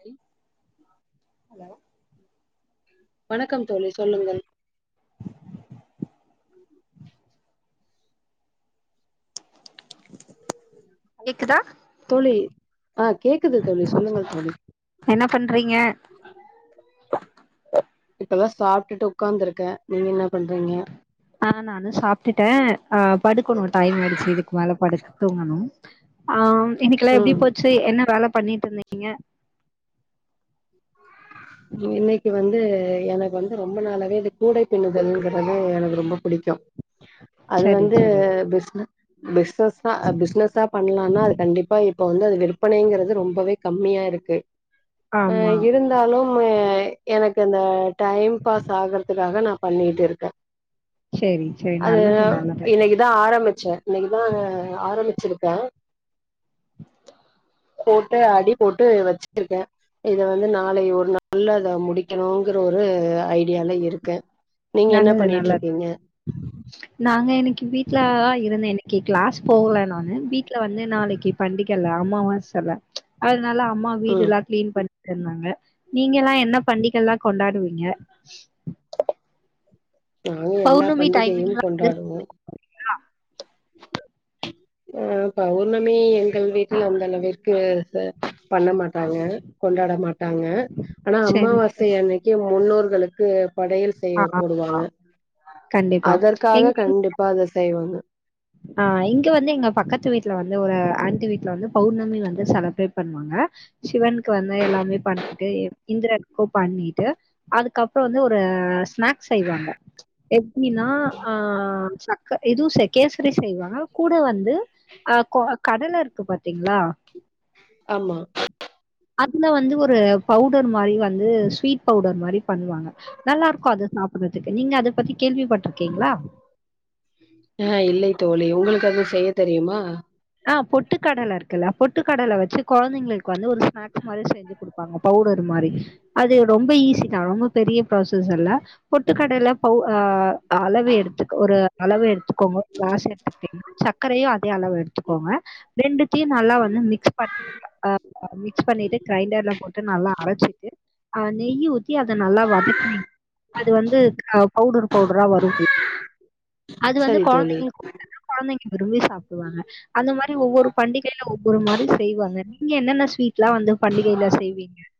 தோழி ஹலோ வணக்கம் தோழி சொல்லுங்கள் கேக்குதா தோழி ஆ கேக்குது தோழி சொல்லுங்கள் தோழி என்ன பண்றீங்க இப்ப தா சாப்ட்டுட்டு உக்காந்துருக்கே நீங்க என்ன பண்றீங்க ஆ நானும் சாப்ட்டுட்டேன் அ படுக்கணு டைம் ஆயிடுச்சு இதுக்கு மேல படுக்க தூங்கணும் ஆம் இன்னிக்கல்லா எப்டி ம் போச்சு என்ன வேலப் பண்ணிட்டு இருந்தீங்க ம் இன்னைக்கு வந்து எனக்கு வந்து ரொம்ப நாளவே இது கூடை பின்னுதல்ங்கறது வந்து எனக்கு ரொம்போ புடிக்கும் அது சரி வந்து சரி பிஸ்ன பிசினஸா அ பிசினஸா பண்லான்னா அது கண்டிப்பா இப்போ வந்து அது விற்பனைங்கறது ரொம்பவே கம்மியா இருக்கு அ ஆமா இருந்தாலும் எனக்கு இந்த டைம் பாஸ் ஆகுறதுக்காக நா பண்ணிட்டு இருக்கே சரி சரி அது நல்லது அ நல்லது இன்னக்குதா ஆரமி இன்னக்குதா ஆரமிச்சிருக்க போட்டு அடி போட்டு வச்சிருக்கே இத வந்து நா நாளை ஒரு நால்ல அத முடிக்கணுங்கிற ஒரு ஐடியால இருக்க நல்லது நல்லது நாங்க இன்னிக்கி வீட்ல ஆ இர் இதன்ன எனுக்கே க்ளேஸ் போகல நானு விட் வந்து நாளக்கி பண்டிகல அமாவாசல துனால அம்மா ம் வீடுல்லா கிளீன் பண்ணி இருந்தாங்க நீங்கல்லா என்ன பண்டிகல்லா கொண்டாடுவீங்க நாங்க எல்லா பௌர்ணமி பண்டிகையும் டைமிங்லா வந்து கொண்டாடுவோ உ [unintelligible] ஆ பௌர்ணமி எங்கள் வீட்டுல அந்த அளவிற்க்கு ச பண்ண மாட்டாங்க கொண்டாட மாட்டாங்க ஆனா சரி அமாவாசை சரி அன்னைக்கே முன்னோர்களுக்கு படையல் ஆ செய்ய ஆமா போடுவாங்க கண்டிப்பா அதற்காக எங்க கண்டிப்பா அத செய்வாங்க ஆ இங் க வந்து எங்க பக்கத்து வீட்ல வந்து ஒரு ஆண்ட்டி வீட் ல வந்து பௌர்ணமி வந்து செலப்ரேட் பண்ணுவாங்க சிவன் க்கு வந்த எல்லாமே பண்ணிட் டு இந்த்ராக்கு பண்ணிட்டு அதுக்கப்றோ வந்து ஒரு ஸ் ஸ்நாக்ஸ் செய்வாங்க எப்டின்னா ஆ சக் க இதுவு செய் கேசரி செய்வாங்க கூட வந்து அ கொ கடல இருக்கு பாத்தீங்ளா ஆமா அதுல வந்து ஒரு பவுடர் மாரி வந்து ஸ்வீட் பவுடர் மாரி பண்ணுவாங்க நல்லா இருக்கு அது சாப்புர்றதுக்கு நீங்க அத பத்தி கேள்விப்பட்ருக்கீங்களா ஆ இல்லை தோழி உங்களுக்கு அது செய்ய தெரியுமா ஆ பொட்டுக் கடல இருக்குல்ல பொட்டுக்கடல வெச்சி கொழந்தைங்களுக்கு வந்து ஒரு ஸ்நாக்ஸ் மாரி செஞ்சிக் குடுப்பாங்க பவுடர் மாரி அது ரொம்ப ஈஸி அது ஒன்னு பெரிய ப்ராசஸ் இல்ல பொட்டுக்கடல பௌ அ அ அளவு எடுத்துக்க ஒரு அளவு எடுத்துக்கோங்க க்ளாஸ் [inaudible] சக்கரையு அதே அளவு எடுத் கோங்க ரெண்டுத்தையு நல்லா வந்து மிக்ஸ் [unintelligible] அ மிக்ஸ் பண்ணிட்டு கிரைண்டர்ல போட்டு நல்லா அரச்சிட்டு ஆ நெய்யி ஊத்தி அத நல்லா வதக்னீங் அது வந்து ஆ பௌடர் பௌடரா வரு அது வந்து சரி தோழி கொழந்தைங்களுக்கு [unintelligible] கொழந்தைங்க விரும்பி சாப்புடுவாங்க இந்த மாரி ஒவ்வொரு பண்டிகைல ஒவ்வொரு மாரி செய்வாங் க நீங்க என்னென்ன ஸ்வீ ட்லா வந்து பண்டிகைல செய்வீங்க [inaudible]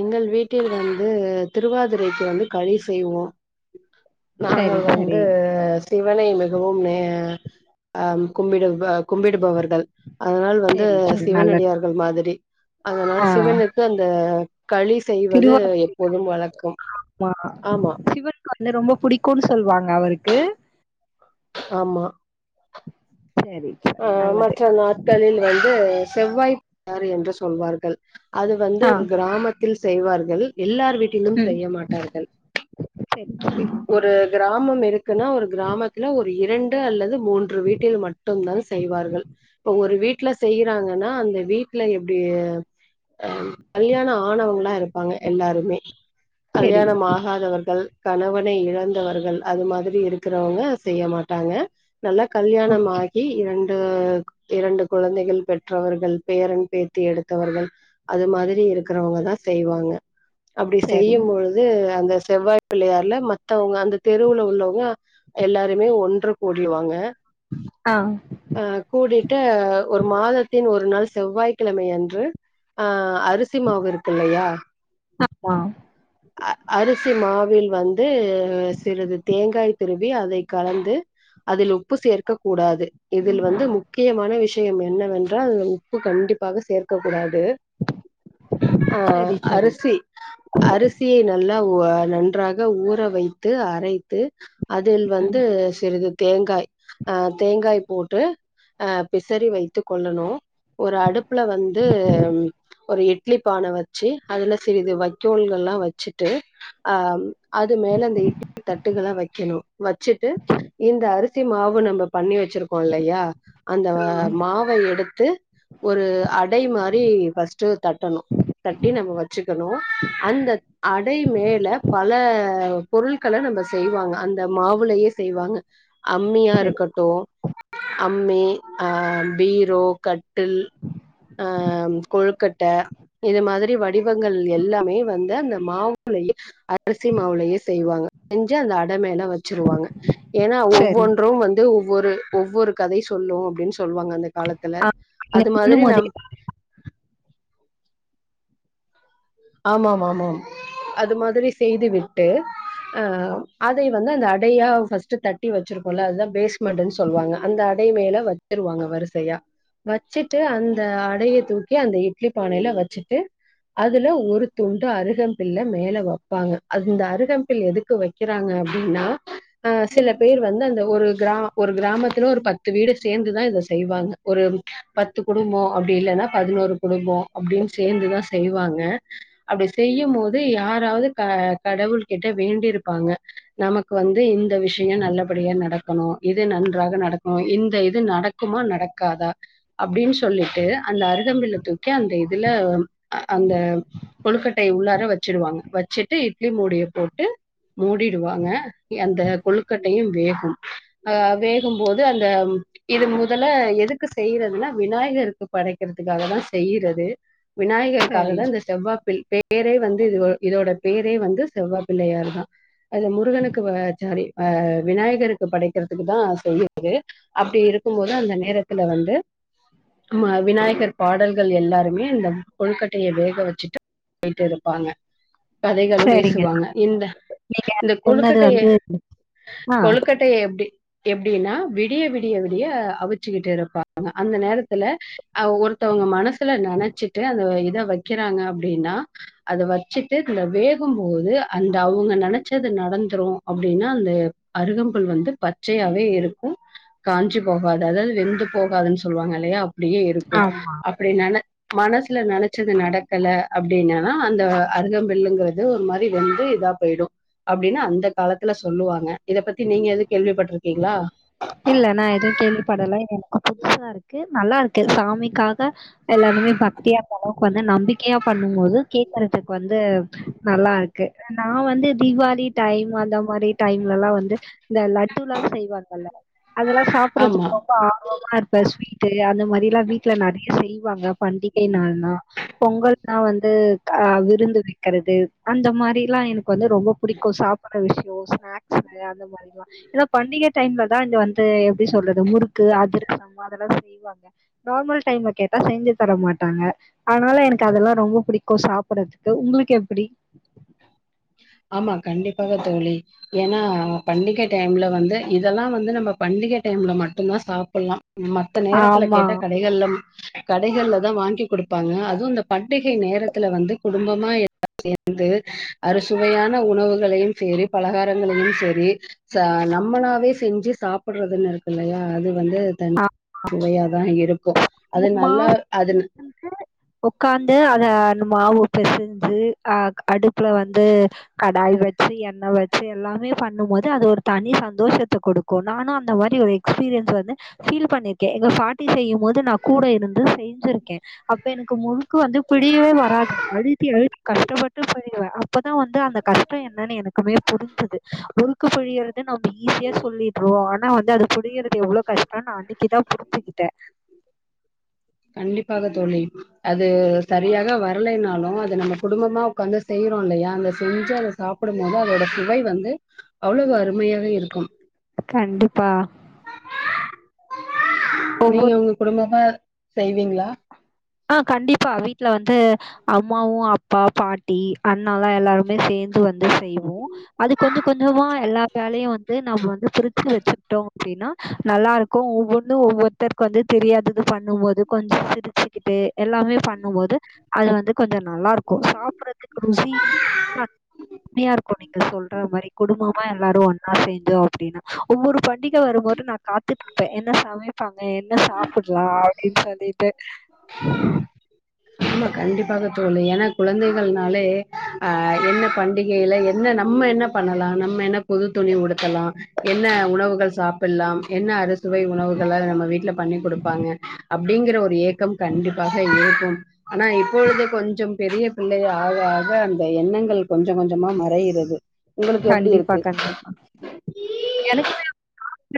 எங்கள் வீட்டில் வந்து திருவாதுரைக்கு வந்து களி செய்வோ சரி, நாங்கள் சரி. வந்து சிவனை மிகவும் நே ஆ கும்பிடும் ப கும்பிடுபவர்கள் அதனால் வந்து சரி, சரி. நல்லது. சிவனடியார்கள் மாதிரி அதனால் ஆ. சிவனுக்கு அந்த களி செய்வது திருவாதிரைக்குமா? எப்போதும் வழக்கம் ஆமா சிவனுக்கு வந்து ரொம்ப புடிக்குன் சொல்வாங்க அவ்ருக்கு ஆமா சரி, சரி. அ நல்லது. மற்ற நாட்களில் வந்து செவ்வாய்க்கார் என்று சொல்வார்கள் அது வந்து ஆ. ஒரு க்ராமத்தில் செய்வார்கள் எல்லார் வீட்டிலும் ம். செய்ய மாட்டார்கள் சரி, சரி. ஒரு கிராமம் இருக்குன்னா ஒரு கிராமத்ல ஒரு இரண் டு அல்லது மூன்று வீட்டில் மட் டும் தா செய்வார்கள் இப்ப ஒரு வீட் ட்ல செய்றாங்கன்னா அந்த வீட்ல எப்டி அ கல்யாண ஆணவங்ளா இருப்பாங்க எல்லாருமே சரி. கல்யாணம் ஆகாதவர்கள் கணவனை இழந்தவர்கள் அது மாதுரி இருக்குறவுங்க செய்ய மாட்டாங்க நல்லா கல்யாணம் ஓகே. ஆகி ரெண்டு இரண்டு குழந்தைகள் பெற்றவர்கள் பேரன் பேத்தி எடுத்தவர்கள் அது மாதுரி இருக்குறவங்க தா செய்வாங்க அப்டி சரி. செய்யும் பொழுது அந்தஸ் செவ்வாய் பிள்ளையார்ல மத்தவுங்க அந்த தெருவுல உள்ளவங்க எல்லாருமே ஒன்று கூடிருவாங்க அ அ கூடிட்டு ஒரு மாதத்தின் ஒரு நாள் செவ்வாய்கிழமை அன்று அ அருசி மாவு இருக்கு இல்லையா ஆமா. அ அருசி மாவு வில் வந்து சிறுது தேங்காய் திருவி அதை கலந்து அதில் உப்பு சேர்க்க கூடாது இதில் வந்து முக்கியமான விஷயம் என்னவென்றால் உப்பு கண்டிப்பாக சேர்க்க கூடாது ஆ சரி, சரி. அரிசி அரிசி நல்லா அ உ அ நன்றாக ஊற வைத்து அரை து அதில் வந்து சிறிது தேங்காய் ஆ தேங்காய் போட்டு ஆ பிசறி வைத்து கொள்ளணும் ஒரு அடுப்புல வந்து ம் ஒரு இட்லி பான வச்சு அதுல சிறிது வக்கோல்கலாம் வச்சுட்டு ஆ ம் அது மேல அந்த இட்லி தட்டுகளா வைக்கணும் வச்சிட்டு இந்த அரிசி மாவு நம்ப பண்ணி வெச்சிரு கோல்லையா அந்த ஆ. மாவ எடுத்து ஒரு அடை மாரி ஃப்ர்ஸ்ட் டு தட்டணும் தட்டி நம்ம வச்சுக்கணும் அந்த அடை மேல பல பொருள்கள நம்ப செய்வாங்க அந்த மாவுலயே செய்வாங்க அம்மியா சரி, இருக்கட்டும் அம்மி ஆ பீரோ கட்டில் ஆ கொழுக்கட்ட இது மாதிரி வடிவங்கள் எல்லாமே வந்து அந்த மாவுலயே அரிசி மாவுலயே செய்வாங்க செஞ்சு அந்த அடை மேல வச்சிருவாங்க ஏன்னா சரி. ஒவ்வொன்றும் வந்து ஒவ்வொரு ஒவ்வொரு கதை சொல்லும் அப்புடின்னு சொல்லுவாங்க அந்தக் காலத்துல ஆ. நீங்க அது மாதிரி சொல்லும்போதே நம் ஆமா ஆமா ஆமா ஆம் அது மாதிரி செய்து விட்டு ஆஹ் அதை வந்து அந்த அடையா பஸ்ட்டு தட்டி வெச்சிருக்கோம் இல்ல அதுதா பேஸ்மெட்னு சொல்லுவாங்க அந்த அடை மேல வெச்சிருவாங்க வரிசையா வெச்சுட்டு அந்த அடைய தூக்கி அந்த இட்லி பானையில வெச்சுட்டு அதுல ஒரு துண்டு அருகம்பில்ல மேல வெப்பாங்க அந்த அருகம்பில் எதுக்கு வெக்கிறாங்க அப்டின்னா ஆஹ் சில பேர் வந்து அந்த ஒரு கிராம ஒரு கிராமத்து துல ஒரு பத்து வீடு சேந்துதா இத செய்வாங்க ஒரு பத்து குடும்போ அப்டி இல்லன்னா பதினோரு குடும்போ அப்டின்னு சேந்துதா செய்வாங்க க அப்டி செய்யும் போது யாராவது க கடவுள் கிட்ட வேண்டியிருப்பாங்க நமக்கு வந்து இந்த விஷியம் நல்லபடியா நடக்கணு இது நன்றாக நடக்கணு இந்த இது நடக்குமா நடக்காதா அப்டின்னு சொல்லிட்டு அந்த அருகம்பில்ல தூக்கி அந்த இதுல அந்த தம் கொழுக்கட்டைய உள்ளார வெச்சுடுவாங்க வெச்சுட்டு இட்லி மூடிய போட்டு மூடிடுவாங்க அந்த கொழுக்கட்டையும் வே கும் ஆஹ் வேகும்போது அந்த இது மொதல எதுக்கு செய்யறதுன்னா விநாயகருக்கு படைக்கிறதுக்காக தா செய்யிறது விநாயகருக்காக சரி. தான் இந்த ப்பிள் பேரே வந்து இதோ இதோட பேரே வந்து செவ்வா பிள்ளையார் தா அது முருகனுக்கு வ சாரி ஆஹ் விநாயகருக்கு படைக்கிறதுக்கு தா சொய்யறது அப்டி இருக்கும் போது அந்த நேரத்துல வந்து மா விநாயகர் பாடல்கள் எல்லாருமே அந்த கொலுக்கட்டைய வேக வெச் சிட்டு போயிட்டு இருப்பாங்க கதைகளும் சரிங்க. பேசுவாங்க இந்த நீங்க இந்த சொன்னது கொலுக்கட்டைய வந்து ஆ. கொலுக்கட்டைய எப்டி எப்டின்னா விடிய விடிய விடிய அவிச்சுக்கிட்டு இருப்பாங்க அந்த நேரத்துல ஆ ஒருத்தவங்க மனசுல நெனச்சிட்டு அந்த இத வைக்க கிறாங்க அப்டின்னா அத வெச்சிட்டு இதுல வேகும்போது அந்த அவுங்க நெனச்சது நடந்துரும் அப்டின்னா அந்த அருகம்புல் வந்து பச்சையாவே இருக்கும் காஞ்சி போகாது அதாவது வெந்து போகாதுன்னு சொல்லுவாங்க இல்லையா அப்டியே இருக்கும் ஆமா. அப்டி நென மனசுல நெனச்சது நடக் கல அப்டின்னா அந்த அருகம்பில்லுங்கிறது ஒரு மாரி வந்து இதா போயிடும் அப்டின்னு அந்த காலத்துல சொல்லுவாங்க இத பத்தி நீங்க எது கேள்விப்பட்டு இரு இருக்கிங்களா இல்ல நா எதும் கேள்விப்படல எனக் புதுசா இருக்கு நல்லா இருக்கு சாமிக்காக எல்லாருமே பக்தியா அந்த அளவுக்கு வந்து நம்பிக் கையா பண்ணும் போது கேக்கற துக்கு வந்து நல்லா இருக்கு நா வந்து தீபாளி டைம் அந்த மாரி டைம்லலாம் வந்து இந்த லட்டுலால் செய் அதெல்லா சாப்பிட்றதுக்கு ஆமா ரொம்ப ஆர்வமா இருப்ப ஸ்வீட்டு அந்த மாரிலா வீட்ல நெறைய செய்ய வாங்க பண்டிகை நாள்னா பொங்கல்னா வந்து ஆஹ்‌ விருந்து வெக்கிறது அந்த மாரில்லாம எனக்கு வந்து ரொம்ப புடிக்கும் சாப்புட்ற விஷ் யோ ஸ்நாக்ஸ் நெறையா அந்த மாரிலா ஏனா பண்டிக டைம்ல தா இங்க வந்து எப்டி சொல்றது முறுக்கு அதிரசம் அதெல்லா செய்வாங்க நார்மல் டைம்ல கேட்டா செஞ்சி தர மாட்டாங்க அதனால எனக்கு அதெல்லா ரொம்ப பிடிக்கும் சாப்புட்றதுக்கு உங்களுக்கு எப்டி ஆமா கண்டிப்பாக தோழி ஏன்னா பண்டிகை டைம்ல வந்து இதெல்லா வந்து நம்ம பண்டிக டைம்ல மட்டும்தா சாப்பிட்லா மத்த நேரத்துல ஆமா. கேட்டா கடைகள்ல கடைகள்ல தா வாங்கி குடுப்பாங்க அதுவு இந்த பண்டிகை நேரத்துல வந்து குடும்பமா எல்லாரு சேந்து அறு சுவையான உணவுகளையும் செரி பலகாரங்களையும் செரி சா நம்மளாவே செஞ்சி சாப்பிட்றதுன்னு இருக்குல்லையா அது வந்து தனி ஆ சுவையா தா இருக்கும் அது நல்லா அதுன்னு ஒக்காந்து அத அந்த மாவு பெசஞ் சு ஆஹ் அடுப் புல வந்து கடாய் சி என்ன வெச்சு எல்லாமே பண்ணும் மோது அது ஒரு தனி சந்தோஷத்த குடுக்கு நானு அந்த மா‌ரி ஒரு எக்ஸ்பீரியன்ஸ் வந்து ஃபீல் பண்ணிக்கே எங்கள பாட்டி செய்யு‌ போது நா கூட இருந்து செஞ்சிருக்கே அ ப எனக்கு முறுக்கு வந்து பிழியவே வராது நழுத்தி அழுத்தி கஷ்டப்பட்டு ப செய்குவே அப்பதா வந்து அந்த கஷ் து என்னென்னு எனக்குமே புரிஞ்சது முறு கு புழியற த நம்ம ஈஸியா சொல்லிட்றோ ஆனா வந்து அது புழியறது எவ்ளோ கஷ்டோனு நா அன்னிக்குதா புரிஞ்சுகிட்டே கண்டிப்பாக தோழி அது சரியாக வரலைனாலோ அத நம்ம குடும்பமா ஒக்காந்து செய்யறோலியா அந்த செஞ்ச அத சாப்புடும் போது அதோட சுவை வந்து அவ்வுளவு அருமையாக இருக்கும் கண்டிப்பா ஒவ்வொரு நீங்க உங்க குடும்பமா செய்வீங்ளா ஆ கண்டிப்பா வீட்ல வந்து அம்மாவு அப்பா பாட்டி அண்ணாலா எல்லாருமே சேந்து வந்து செய்வோ அது கொஞ்ச கொஞ்சமா எல்லா வேலையு வந்து நம்ம னு பிரிச்சு வச்சுக்டோ அப்டினா நல்லா இருக்கோ ஒவ்வொன்னு ஒவ்வொர்த்தர்க்கு வந்து தெரியாதது பண்ணும் மோது கொஞ்சோ சிரிச்சு கிட்டு எல்லாமே பண்ணும் போது அது வந்து கொஞ்சோ நல்லா இருக்கோ சாப்புறதுக்கு ருசி [inaudible] இருக்கோ நீங்க சொல்ற மாரி குடும்பமா எல்லாரு ஒன்னா சேந்து அப்டினா ஒவ்வொரு ப டிக வரும்போது நா காத்துட்டுருப்பே என்ன சமைப்பாங்க என்ன சாப்புட்லா [unintelligible] ஆமா கண்டிப்பாக தோழி ஏனா குழந்தைகள்னாலே ஆ என்ன பண்டிகைல என்ன நம்ம என்ன பண்ணலா நம்ம என்ன புது துணி உடுத்தலா என்ன உணவுகள் சாப்பில்லாம் என்ன அறுசுவை உணவுகள நம்ம வீட்ல பண்ணி குடுப்பாங்க அப்டிங்கிற ஒரு ஏக்கம் கண்டிப்பாக இருக்கும் ஆனா இப்பொழுது கொஞ்சம் பெரிய பிள்ளையா ஆக ஆக அந்த எண்ணங்கள் கொஞ்ச கொஞ்சமா மறையிறது உங்களுக்கு எப்டி கண்டிப்பா இருக்கு? கண்டிப்பா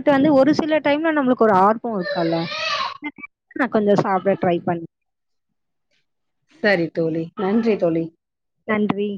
டு வந்து ஒரு சில டைம்ல நம்ளுக் ஒரு ஆர்வ இருக்கல [inaudible] நா கொஞ்ச சாப்ட ட்ரை பண் செரி தோழி நன்றி தோழி நன்றி